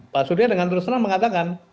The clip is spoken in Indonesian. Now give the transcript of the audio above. pak suriapala dengan terserah mengatakan